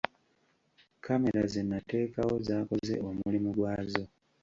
Kkamera ze nateekawo zaakoze omulimu gwazo.